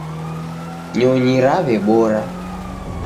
Nyonyi raw'ebora.